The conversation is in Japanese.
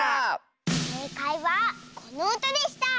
せいかいはこのうたでした。